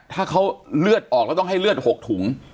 ถ้าเขาเลือดออกแล้วต้องให้เลือด๖ถุง